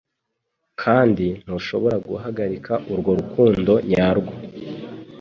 Kandi ntushobora guhagarika urwo rukundo nyarwo